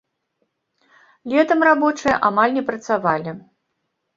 Летам рабочыя амаль не працавалі.